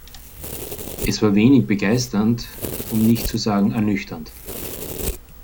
Es war wenig begeisternd, um nicht zu sagen ernüchternd.